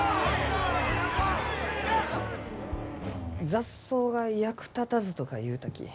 「雑草が役立たず」とか言うたき。